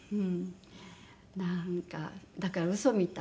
なんかだから嘘みたい。